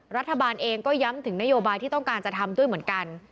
รัฐบาลเองก็ย้ำถึงนโยบายที่ต้องการจะทำด้วยเหมือนกัน